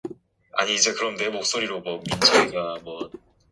여기에요.